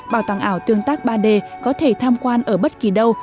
bảo tàng ảo tương tác ba d có thể tham quan ở bất kỳ đâu